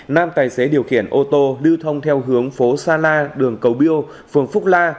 nam tài xế điều khiển ô tô lưu thông theo hướng phố sa la đường cầu biêu phường phúc la